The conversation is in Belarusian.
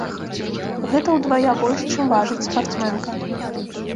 Гэта ўдвая больш, чым важыць спартсменка.